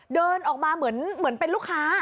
เดินออกมาเหมือนเป็นลูกค้า